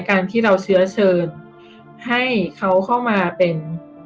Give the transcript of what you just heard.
การที่เราเชื้อเชิญให้เขาเข้ามาเป็น